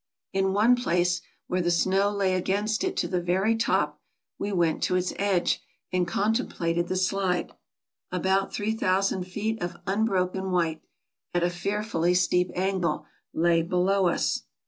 In one place, where the snow lay against it to the very top, we went to its edge and contemplated the slide. About 3000 feet of unbroken white, at a fearfully steep angle, lay below us.